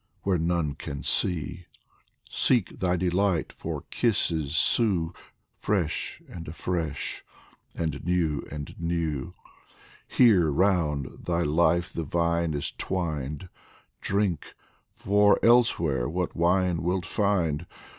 where none can see ; Seek thy delight, for kisses sue, Fresh and afresh and new and new ! Here round thy life the vine is twined ; Drink ! for elsewhere Avhat wine wilt find